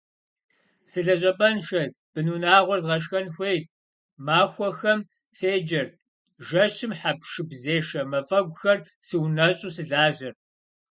Сылэжьапӏэншэт, бынунагъуэр згъашхэн хуейт, махуэхэм седжэрт, жэщым хьэпшыпзешэ мафӏэгухэр сыунэщӏу сылажьэрт.